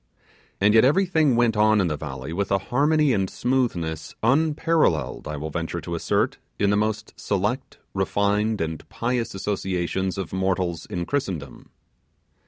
And yet everything went on in the valley with a harmony and smoothness unparalleled, I will venture to assert, in the most select, refined, and pious associations of mortals in Christendom.